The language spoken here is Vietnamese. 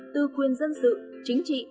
từ quyền dân sự chính trị